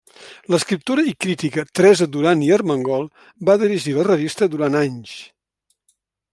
L'escriptora i crítica Teresa Duran i Armengol va dirigir la revista durant anys.